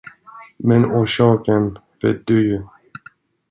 Men orsaken vet du ju.